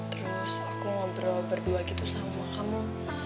terus aku ngobrol berdua gitu sama kamu